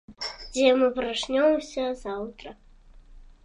Дзе мы прачнёмся заўтра?